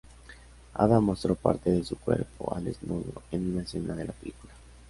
Ada mostro parte de su cuerpo al desnudo en una escena de la película.